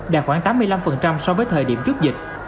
đạt khoảng tám mươi năm so với thời điểm trước dịch